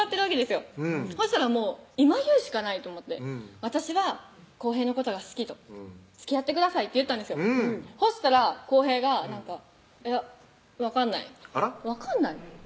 よそしたらもう今言うしかないと思って「私は晃平のことが好き」と「つきあってください」って言ったんですよそしたら晃平が「いや分かんない」あらっ分かんない？